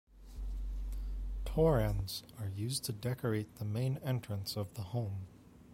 Torans are used to decorate the main entrance of the home.